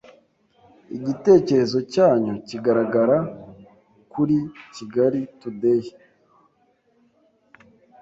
Igitekerezo cyanyu kiragaragara kuri Kigali Today